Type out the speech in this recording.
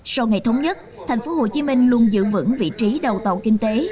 sau ngày thống nhất tp hcm luôn giữ vững vị trí đầu tàu kinh tế